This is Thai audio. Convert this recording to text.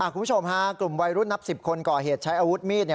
คุณผู้ชมฮะกลุ่มวัยรุ่นนับ๑๐คนก่อเหตุใช้อาวุธมีด